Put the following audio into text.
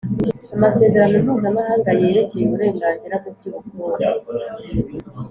amasezerano mpuzamahanga yerekeye uburenganzira mu by’ubukungu,